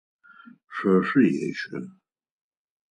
Шъо шъуещэ.